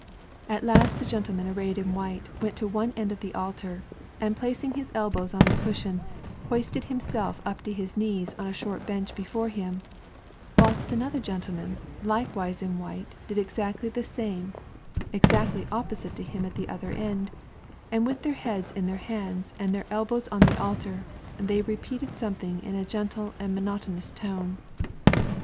At last the gentleman arrayed in white went to one end of the altar, and placing his elbows on the cushion hoisted himself up to his knees on a short bench before him, whilst another gentleman likewise in white did exactly the same exactly opposite to Mm at the other end, and with their heads in their hands and their elbows on the altar they repeated something in a gentle a:nd monotonous tone.